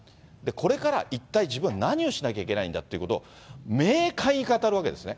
これから一体自分は何をしなきゃいけないんだっていうことを明快に語るわけですね。